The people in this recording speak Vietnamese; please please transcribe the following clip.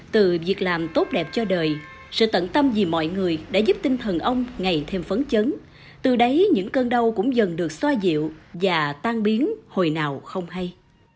từ việc làm tốt đẹp cho đời sự tận tâm vì mọi người đã giúp tinh thần ông ngày thêm phấn chấn từ đấy những cơn đau cũng dần được xoa dịu và tan biến hồi nào không hay